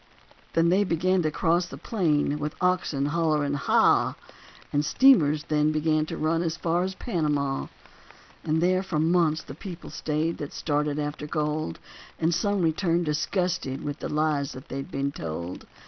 They then began to cross the plain with oxen, hollowing "haw." And steamers then began to run as far as Panama. And there for months the people staid, that started after gold, And some returned disgusted with the lies that had been told.